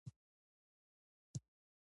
عقاب څنګه خپله ځاله جوړوي؟